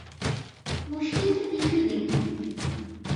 মুশকিল তো কিছুই দেখি নে।